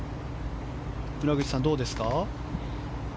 村口さん、どうですか。